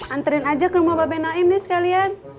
anterin aja ke rumah be naim nih sekalian